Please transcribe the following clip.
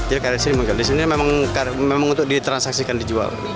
jadi karya seni memang untuk ditransaksikan dijual